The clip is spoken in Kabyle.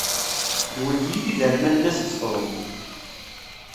D wigi i d iderman n wat Betṛun.